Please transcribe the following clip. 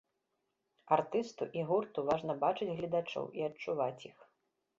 Артысту і гурту важна бачыць гледачоў і адчуваць іх.